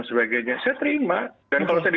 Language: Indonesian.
sebagainya saya terima dan kalau saya